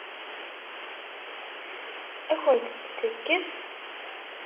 Ad akent-tt-tekkes?